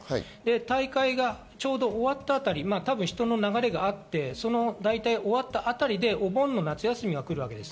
大会が終わったあたり、人の流れがあって終わったあたりでお盆の夏休みが来るわけです。